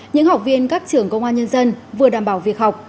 những học viên các trường công an nhân dân vừa đảm bảo việc học